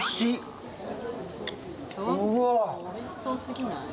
ちょっとおいしそうすぎない？